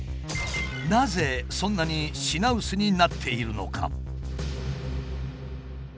なぜそんなに品薄になっているのか？